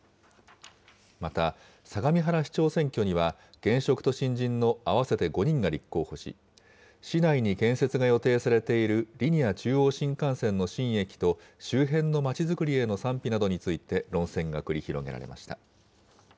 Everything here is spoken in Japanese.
また、相模原市長選挙には現職と新人の合わせて５人が立候補し、市内に建設が予定されているリニア中央新幹線の新駅と、周辺のまちづくりへの賛否などについて論戦が繰り広げられました。